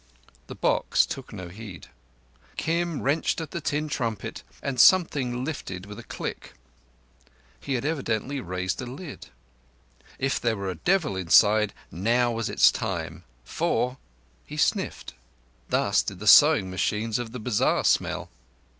The box took no heed. Kim wrenched at the tin trumpet and something lifted with a click. He had evidently raised a lid. If there were a devil inside, now was its time, for—he sniffed—thus did the sewing machines of the bazar smell.